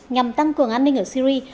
nhằm tăng cường an ninh ở syri